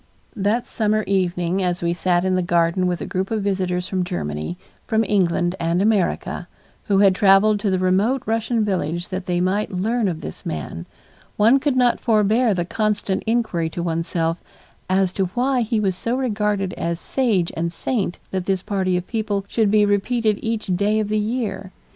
That summer evening as we sat in the garden with a group of visitors from Germany, from England and America, who had traveled to the remote Russian village that they might learn of this man, one could not forbear the constant inquiry to one's self, as to why he was so regarded as sage and saint that this party of people should be repeated each day of the year.